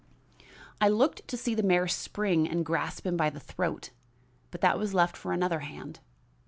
I looked to see the mayor spring and grasp him by the throat, but that was left for another hand.